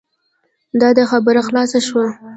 دا دی خبره خلاصه شوه.